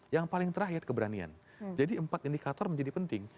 yang paling terakhir keberanian jadi empat indikator menjadi penting